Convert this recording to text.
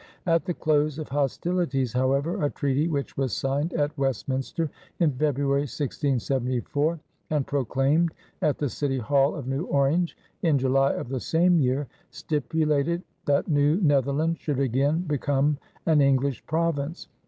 At the close of hostilities, however, a treaty which was signed at Westminster in February, 1674, and proclaimed at the City Hall of New Orange in July of the same year, stipulated that New Netherland should again become an English province.